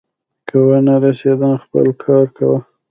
که ونه رسېدم، خپل کار کوه.